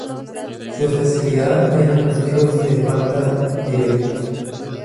Su especialidad eran los tiros de falta directa.